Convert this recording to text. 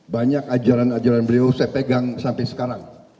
banyak ajaran ajaran beliau saya pegang sampai sekarang